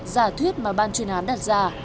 giả thuyết mà ban chuyên án đặt ra